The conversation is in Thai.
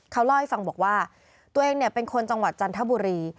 เขาเล่าให้ฟังบอกว่าตัวเองเนี่ยเป็นคนจังหวัดจันทบุรี